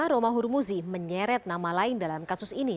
roma hurmuzi menyeret nama lain dalam kasus ini